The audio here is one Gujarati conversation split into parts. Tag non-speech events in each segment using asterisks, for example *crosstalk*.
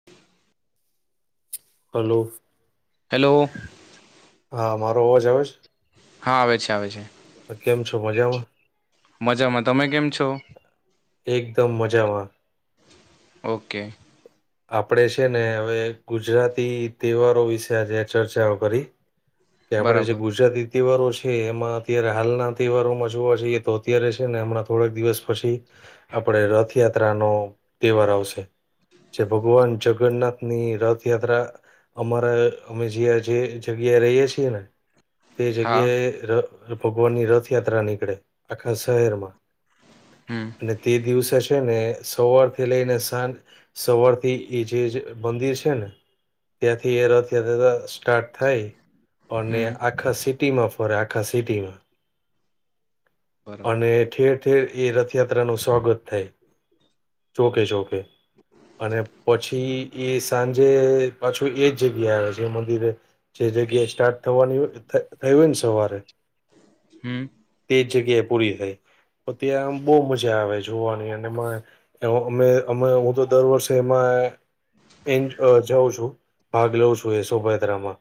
*inaudible* હલો. હેલો. હા મારો અવાજ આવે છે. હા આવે છે આવે છે કેમ છો મજામાં મજામાં તમે કેમ છો. એકદમ મજામાં. ઓકે. આપડે છે ને હવે ગુજરાતી તહેવારો વિશે આજે ચર્ચાઓ કરી. કે આપણેે જે બરાબર ગુજરાતી. તહેવારો છે એમાં અત્યારે હાલના તહેવારોમાં જોવા છેઈએ તો અત્યારે છે ને હમણાં થોડાક દિવસ પછી આપણે રથયાત્રાનો તહેવાર આવશે જે ભગવાન જગન્નાથની રથયાત્રા અમારા અમે જ્યા જે જગ્યાએ રહીએ છીએ ને તે હા જગ્યાએ. ભગવાન ની રથયાત્રા નીકળે આખા શહેર માં હમ અને તે દિવસે છે ને સવાર થી લઈને સાંજ સવારથી એ જે મંદિર છે ને ત્યાંથી એ રથયાત્રા સ્ટાર્ટ થાય અને હમ આખા સિટીમાં ફરે આખા સિટીમાં બરોબર અને ઠેર ઠેર એ રથયાત્રા નું સ્વાગત થાય ચકે ચોકે *inaudible* અને પછી એ સાંજે પાછું એજ જગ્યા આવે છે મંદિરે જે જગ્યાએ સ્ટાર્ટ થવાનીય થય હોય ને સવારે હું. તે જ જગ્યાએ પૂરી થાય. તો ત્યાં આમ બહુ મજા આવે જોવાની અને અમે અમે હું તો. દર વર્ષે એમાં. એ જાઉં છું ભાગ લઉં છું એ શોભાયાત્રામાં.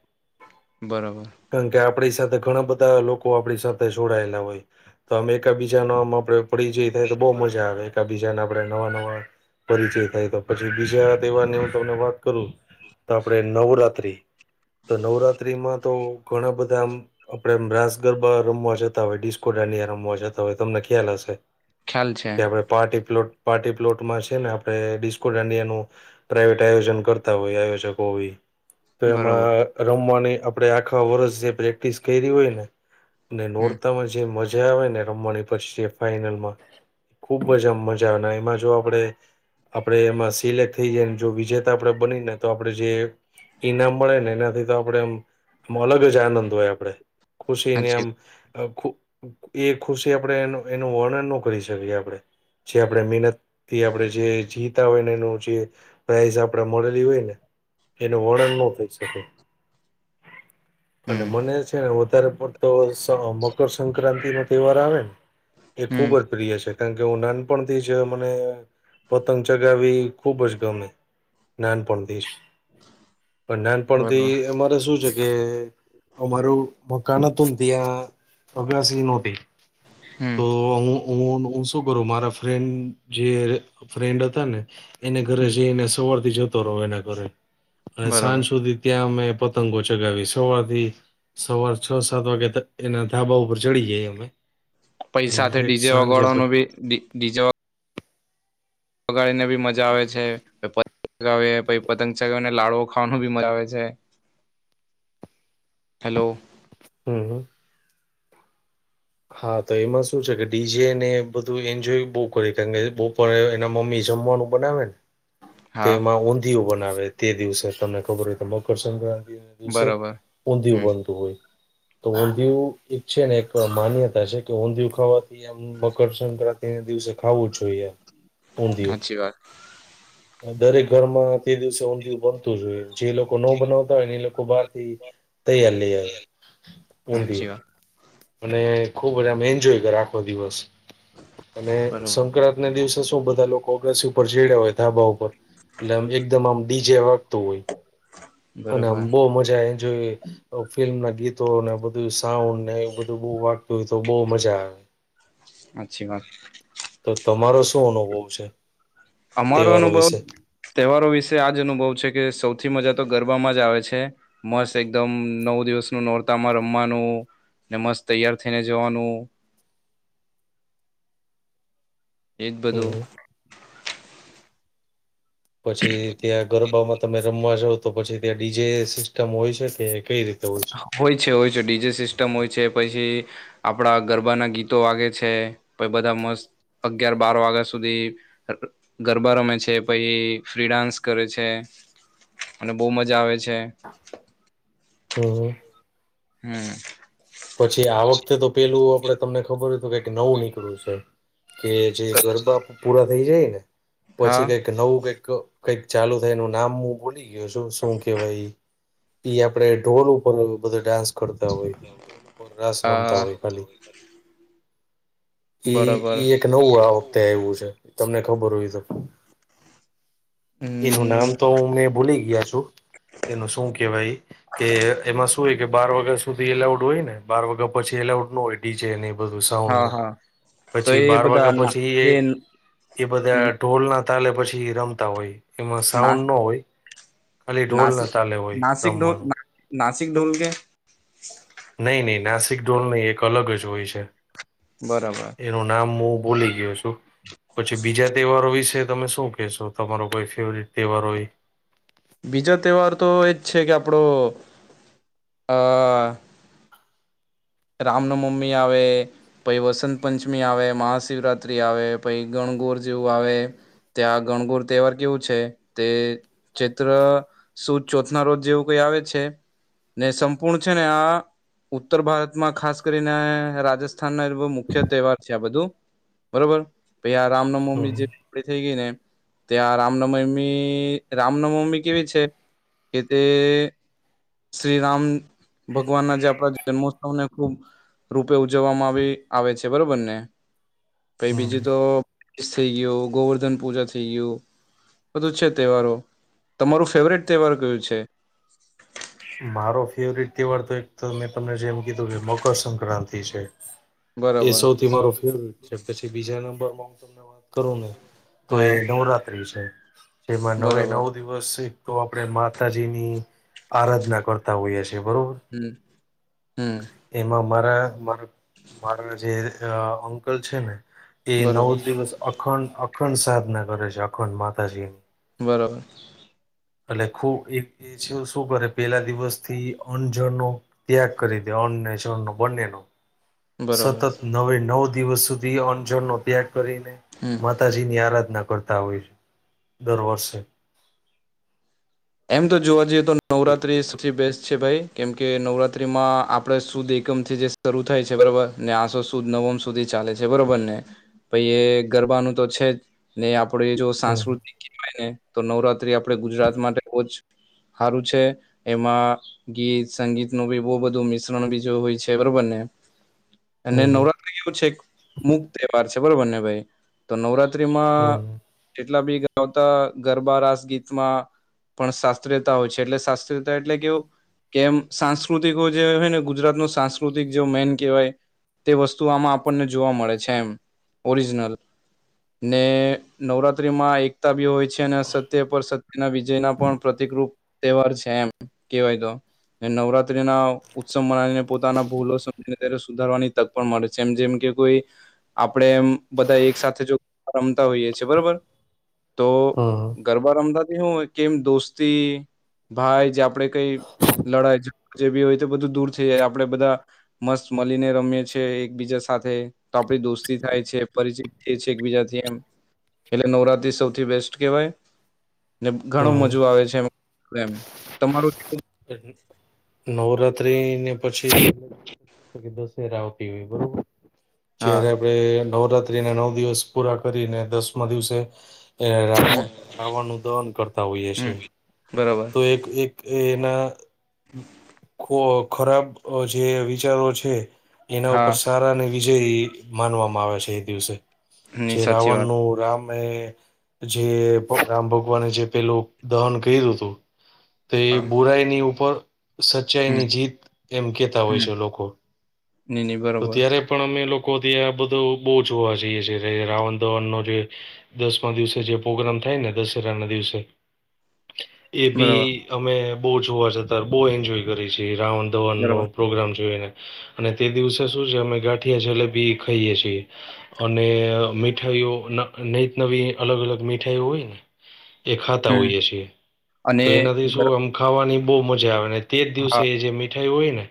બરાબર. કારણ કે આપણી સાથે ઘણા બધા લોકો આપણી સાથે જોડાયેલા હોય. તો અમે એકબીજા ન અમ આપડે. પરિચય થાય તો બઉ મજા આવે એક બીજાને આપડણે નવા નવા પરિચય થાય તો. પછી બીજા દેવાની. ત વાત કરું તો આપણેે નવરાત્રી તો નવરાત્રીમાં તો. ઘણા બધા આમ આપડે રાસ. ગરબા રમવા જતા હોય ડિસ્કો ડડિયા રમવા જતા હોય તમને ખ્યાલ હશે. ખ્યાલ છે. કે આપણે પાર્ટી પ્લોટ પાર્ટી પ્લોટમાં છે ને આપણે ડિસ્કો ડાંડીયા નુ પ્રાઇવેટ આયોજન કરતા હોય આયોજકો બી તો બરોબર એમાં. રમવાની આપે આખા વર્ષ જે પ્રેક્ટિસ કેયરી હોય ને ને હમ નોરતામાં જે મજા. મજા આવે ને રમવાની પછી ફાઈનલમાં ખુબ જ આમ મજા આવે એમાં જો આપણે આપડે એમાં સિલેક્ટ થઈ જાયને જો વિજેતા આપણેે બનીને તો આપડણે જે. ઈનામ મળે ને એનાથી તો આપણેે એમ અલગ જ આનંદ હોય આપણે ખુશીને હાચી આમ. ખુ એ ખુશી આપણે એ એનું વર્ણન ન કરી શકીએ આપણેે. જે આપણે મહેનતથી આપણે જે. જીતા હોય ને એનું જે પ્રાઈઝ આપડે મળેલી હોય ને. એનું વર્ણન ન થઈ શકે. અને હમ મને છે ને વધારે પડતો સ મકરસક્રાંતિ નો તહેવાર આવે. એ ખુબ હમ જ પ્રિય છે કારણ કે હું નાનપણથી જ મને પતંગ ચગાવી ખુબ જ ગમે નાન પણ થીજ. પણ નાનપણથી બરોબર અમારે શું છે કે. અમારું મકાન હતું ત્યાં અગાસી નોતી. હમ તો હું હું હું શું કરું મારા ફ્રેન્ડ જે. ફ્રેન્ડ હતા ને એને ઘરે હમ જઈને સવારથી જતો રહો એના ઘરે. અને સાંજ બરોબર સુધી ત્યાં અમે પતંગો ચગાવી સવારથી. સવાર છ સાત વાગે ત એના ધાબા ઉપર ચડી જઈ અમે. અને પૈસા થે ઠેઠ ડીજે સાંજે પ વગાડવાનું બી ડી ડીજ. વગાડી ને ભી મજા આવે છે. એટલે હવે પછી પતંગ ચગાવેને લાડવો ખાવાનું બી મજા આવે છે. હેલો. હું હું. હા તો એમાં શું છે કે ડીજે ને બધું એન્જોય બહુ કરે કારણ કે બહુ પણ એના મમ્મી જમવાનું. બનાવે ને. તો હા એમાં ઊંધિયું બનાવે તે દિવસે તમને ખબર હોય તો મકરસક્રાંતિ. દિવસે બરોબર ઊંધિયું હમ બનતું હોય તો ઊંધિયું એક છે ને એક. માન્યતા છે કે ઊંધિયું ખાવાથી એમ મકર સંક્રાંતિ. તે દિવસે ખાવું જોઈએ યાર ઊંધિયું. સાચી વાત દરેક ઘરમાં તે દિવસે. તો ઉંધીયુ બનતું હોઇએ જે લોકો નો બનાવતા હોય ને એ લોકો બહાર થી તૈયાર લઈ આવે. સાચી ઊંધિયું. વાત અને ખુબજામે એન્જોય કર આખો દિવસ અને બરોબર સંક્રાંત. ને દિવસે શું બધા લોકો અગાસી ઉપર ચડ્યા હોય ધાબા ઉપર. એટલે આમ એકદમ આમ ડીજે વાગતું હોય અને આમ બરોબર બહુ મજા આવે. જો ફિલ્મ ના ગીતો ને બધું સાઉન્ડ ને એ બધું. બ વાતું હોય તો બહુ મજા આવે. અચછી વાત. તો તમારો શું અનુભવ છે. અમારો તહેવારો અનુભવ. વિશે તહેવારો વિશે આજ અનુભવ છે કે સૌથી મજા તો ગરબામાં જ આવે છે. મસ્ત એકદમ નવ દિવસ ન નોરતામાં રમવાનું. ને મસ્ત તૈયાર થઈને જવાનું. એક બધું. હમ પછી ત્યાં ગરબામાં તમે રમવા છો. તો પછી ત્યાં ડીજે સિસ્ટમ હોય છે તે કઈ રીતે હોય. છે? હોય છે હોય છે ડીજે સિસ્ટમ હોય છે પછી. આપણા ગરબાના ગીતો વાગે છે પ બધા મસ્ત અગિયાર બાર વાગ્યા સુધી. ગરબા રમે છે પછ ફ્રી ડાન્સ કરે છે. અને બહુ મજા આવે છે. હમ હ. હમ. પછી આ વખતે તો પેલું આપણે તમને ખબર હતું કઈ નવું નીકળું છે. કે જે ગરબા પૂરા થઈ જાય ને હા પછી કઈક. નવું કઈક કંઈક ચાલુ થાય ન નામ હું બોલી ગયો છું શું કેવાય. એી આપડે ડ્રોન ઉપર બધા ડાન્સ કરતા હોય. ઢોલ ઉપર રાસ રમતા હોય ખાલી. એ બરાબર એક નવું આ વખતે આવવું છે તમને ખબર હોય તો. એનું નામ હમ તો હ અમને ભૂલી ગયા છું. એનું શું કેવાય કે એમાં શુંય કે બાર વગ. સુધી એલાઉટ હોય ને બાર વાગ્યા પછી એઉટ ન હોય ડીે. સાઉ હા હા તો પછી એ બાર બધા વાગ્યા ના પછી એ એ બધા ઢોલ ના. તલે પછી રમતા હોય. એમાં ના સાઉન્ડ ન હોય ખાલી ઢોલ ન ચાલે હોય રમવાનું. નાાસિક ઢોલગ. નહી નહી નાસિક ઢોલ નહી એક અલગ જ હોય છે. બરાબર. એનું નામ હું બોલી ગયો છું પછી બીજા તહેવારો વિશે તમે શું કેહેશો. તમારો કોઈ ફેવરેટ તહેવાર હોય. બીજા તહેવાર તો એજ છે કે આપણો આ. રામ ન મમ્મી આવે. પછ વસંત પંચમી આવે મહાશિવરાત્રી આવે પછ ગણગોર જેવું આવે. ત્યાં ગણગુર તહેવાર કેવું છે તે. ચૈત્ર શું ચોથ ના રોજ જેવું કઈ આવે છે. ને સંપૂર્ણ છે ને આ ઉત્તર ભારત. ગુતમાં ખાસ કરીને રાજસ્થાન ન એ બ મુખ્ય તહેવાર છે આ બધું. બરોબર પછ આ રામનવમી હમ જે. ડી થઈ ગઈ ને ત્યાં રામનવમી રામનવમી કેવી છે. એ તે શ્રી રામ ભગવાન ના જે આપણા જન્મો ખબ રૂપે ઉજવવામાં આવી આવે છે બરોબર ને પ બીજું તો હમ થઈ ગયું ગોવર્ધન પૂજા થઈ ગયું. બધું છે તહેવારો તમારું ફેવરેટ તહેવાર કયું છે. મારો ફેવરિટ તહેવાર તો એક મેં તને જેમ કીધું કે મકરસક્રાંતિ છે. એ બરોબર સૌથી મારો ફેવરેટ છે પછી બીજા નંબરમાં હું તમને વાત કરું ને. તો એ હા નવરાત્ર્રી છે જેમાં નવે બરોબર નવ દિવસ એક આપણે માતાજી ની આરાધના હો હમ હમ એમાં મારા મા મારા જે અંકલ છે ને એ નવ બરોબર દિવસ અખંડ અખંડ સાધના કરે છે અખંડ માતાજી બરોબર એટલે ખબ એ છે શું કરે પેલા દિવસ થી અણજણનો ત્યાગ કરી દે અને છણ ન બંને ન બરોબર સતત નવે નવ દિવસ સુધી અંજણનોો ત્યાગ કરીને હમ માતાજી ની આરાધના કરતા હોય છે દર વર્ષે એમ તો જોવા જઈએ તો નવરાત્રી સૌથી બેસ્ટ છે ભાઈ કેમ કે નવરાત્રીમાં આપણે શુંદ એકમથી જે શરૂ થાય છે બરાબર ને આસો સુદ નવમ સુધી ચાલે છે બરોબર ને પછ એ ગરબાનું તો છે જ ને આપડું એ જો હમ સાંસ્કૃતિક કહેવાયને તો નવરાત્રી આપડે ગુજરાત માટે બહુ જ સારું છે એમાં ગીત સંગીત નું બી બહ બધું મિશ્રણ બીજ હોય છે બરોબરને *inaudible* અને નવરાત્રી એવું છે એક મુક્ તહેવાર છે બરોબર ને ભાઈ તો નવરાત્ર માં હમ જેટલા બી ગાવતા ગરબા રાસ ગીતમાં પણ શાસ્ત્રીયતા હોય છે એટલે શાસ્ત્રીયતા એટલે કેવું કેમ સાંસ્કૃતિકો જે હોય ને ગુજરાત ન સાંસ્કૃતિક જે મેન કહેવાય તે વસ્તુ આમાં આપણને જોવા મળે છે એમ ઓરિજનલ ને નવરાત્રીમાં એકતા બી હોય છે અને સત્ય પર સત્યના વિજયના પણ પ્રતિકરૂૂપ તહેવાર છે એમ કવાય તો અને નવરાત્રી ના ઉત્સવ મનાવીને પોતાના ભૂલો સમ સુધારવાની તક પણ મળે છે એમ જેમ કે કોઈ આપડે એમ બધા એક સાથે જો રમતા હોઈએ છેએ બરોબર તો હમ ગરબા રમતાથી હું કેમ દોસ્તી ભાઈ જે આપે કઈ લડા જેવીી હોય તો બધું દૂર થઈ જાય આપડે બધા મસ્ત મળીને રમેી છે એકબીજા સાથે તો આપડી દોસ્તી થાય છે પરિચિત થ છે એકબીજાથી એમ એટલે નવરા્રી સૌથી બેસ્ટ કહેવાય ઘણું મજું હમ આવે છે એમ તમારું નવરાત્રી ને પછી શું શ દશે રાત હા જયારે આપડે નવરાત્ર નવ દિવસ પૂરા કરીને દસમાં દિવસે એ ર હમ રાવણ નું દહન કરતા હોઈએ હમ છે બરોબર તો એક એક એ ના ખરાબ જે વિચારો છે એના ઉપર હા સારા અને વિજય માનવામાં આવે છે એ દિવસે ની છે સાચી રાવણ વાત નું રામ મે જે રામ ભગવાને જે પેલું દહન કર્યું હતું તે હા બુરા ન ઉપ સચ્ચાઈ ની હમ જીત એમ કેતા હોય હમ છે લોકો ની ની તો બરોબર ત્યારે પણ અમે લોકો થી આ બધું બહુ જોવા જઈએ છીએ રાવણ ધવન નો જે દસમા દિવસે જે પ્રગ્રામ થાય ને દશેરા ના દિવસે એ બરોબર બી અમે બો જોવા જતા બો એન્જોય કરી છે રાવણ ધવનનો બરોબર પ્રોગ્રામ જોને અને તે દિવસે શું છે અમે ગાંઠિયા છેલેબી ખાઈએ છીએ અને મીઠાઈઓ નહીત નવી અલગ અલગ મીઠાઈઓ હોય ને એ ખાતા હમ હોઈએ છીએ અને તો એનાથી શું ગર- આમ ખાવાની બહ મજા આવે તે જ દિવસે હા જે મીઠાઈ હોય ને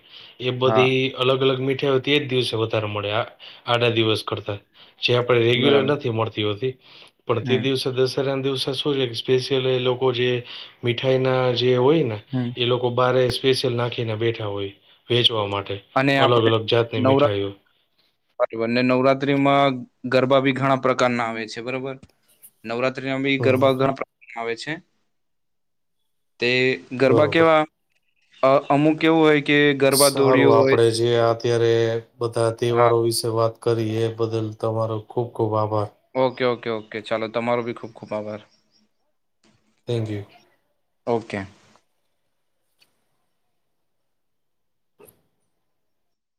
એ હા બધી અલગ અલગ મીઠાઈ તે જ દિવસે વધારે મળે આડા દિવસ કરતા જે પણ રેગ્યુલર બરાબર નથી મળતી હોતી પણ તે હમ દિવસે દસ *unintelligible* દિવસે શું છે સ્પેશિયલ એ લોકો જે મીઠાઈ ના જે હોય ને હમ એ લોક કો બારે સ્પેશિયલ નાખીને બેઠા હોય વેચવા માટે અને અલગ અલગ જાતની મીઠાઈઓ બરને નવરાત્રીમાં ગરબા બી ઘણા પ્રકાર ના આવે છે બરોબર નવરા ત્રીમાં બી હમ ગરબા ઘણા પ્રકાર આવે છે તે ગરબા બરોબર કેવા અ અમુક એવું હોય કે ગરબા દો આપડે જે અત્યારે બધા હા તહેવારો વિશે વાત કરી એ બદલ તમારો ખૂબ ખૂબ આભાર ઓકે ઓકે ઓકે ચાલો તમારો બી ખૂબ ખૂબ આભાર થેન્ક યુ ઓકે